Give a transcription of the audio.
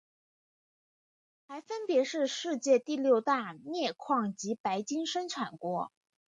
还分别是世界第六大镍矿及白金生产国。